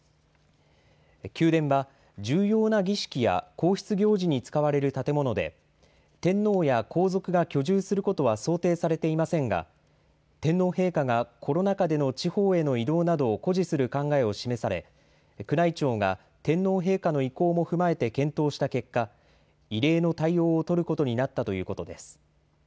宮殿は、重要な儀式や皇室行事に使われる建物で、天皇や皇族が居住することは想定されていませんが、天皇陛下がコロナ禍での地方への移動などを固辞する考えを示され、宮内庁が天皇陛下の意向も踏まえて検討した結果、異例の対応を取ることになったということです。